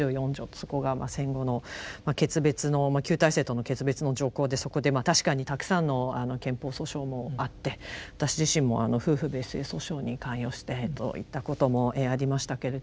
そこが戦後の決別の旧体制との決別の条項でそこでまあ確かにたくさんの憲法訴訟もあって私自身も夫婦別姓訴訟に関与していったこともありましたけれども。